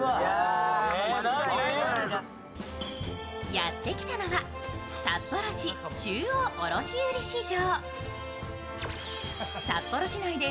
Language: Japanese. やってきたのは札幌市中央卸売市場。